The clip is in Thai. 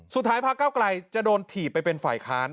สุดท้ายพระเก้าไกลจะโดนถีบไปเป็นฝ่ายค้าน